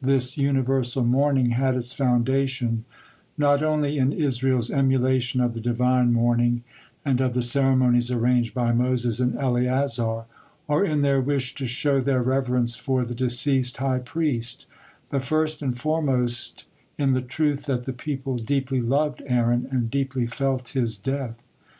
This universal mourning had its foundation not only in Israel's emulation of the Divine mourning and of the ceremonies arranged by Moses and Eleazar, or in their wish to show their reverence for the deceased high priest, but first and foremost in the truth that the people deeply loved Aaron and deeply felt his death.